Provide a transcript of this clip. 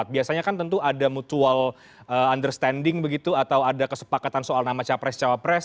biasanya kan tentu ada mutual understanding begitu atau ada kesepakatan soal nama capres cawapres